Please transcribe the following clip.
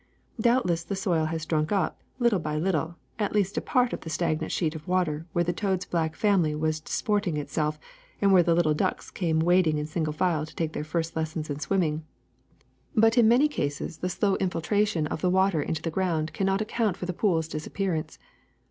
Doubt less the soil has drunk up, little by little, at least a part of the stagnant sheet of water where the toad ^s black family was disporting itself and where the little ducks came waddling in single file to take their first lessons in swimming ; but in many cases this slow in EVAPORATION 331 filtration of the water into the ground cannot ac count for the pool's disappearance.